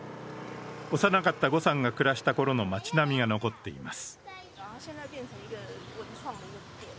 幼かった呉さんが暮らしたころの街並みが残っています。